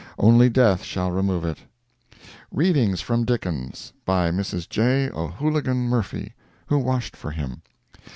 Only Death shall remove it. "Readings from Dickens." By Mrs. J. O'Hooligan Murphy, who washed for him.